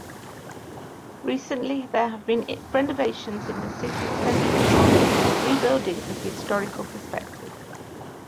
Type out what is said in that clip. Recently, there have been renovations in the city's central part, rebuilding with historical perspective.